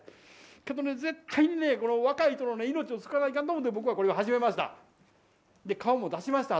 けど、絶対に、若い人たちの命を救わないとと思って僕はこれを始めました。